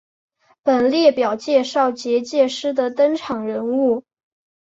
本列表介绍结界师的登场人物。